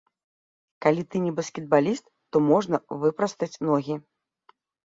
Калі ты не баскетбаліст, то можна выпрастаць ногі.